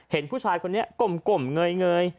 เห็นผู้ชายคนนี้กลมเงย